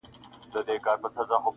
د خپل قسمت سره په جنګ را وزم -